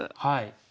はい。